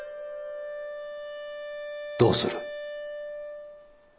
どうする？